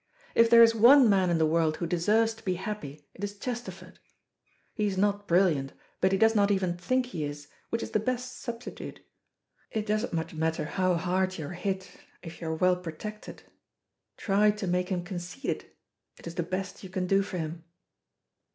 If there is one man in the world who deserves to be happy it is Chesterford. He is not brilliant, he does not even think he is, which is the best substitute. It doesn't much matter how hard you are hit if you are well protected. Try to make him conceited it is the best you can do for him."